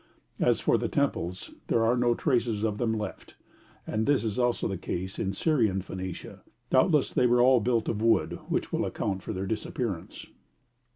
' As for the temples, there are no traces of them left, and this is also the case in Syrian Phoenicia; doubtless they were all built of wood, which will account for their disappearance.